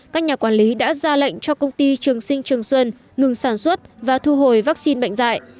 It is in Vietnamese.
các nhà quản lý đã ra lệnh cho công ty trường sinh trường xuân ngừng sản xuất và thu hồi vaccine bệnh dạy